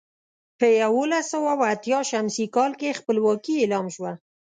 په یولس سوه اتيا ه ش کال کې خپلواکي اعلان شوه.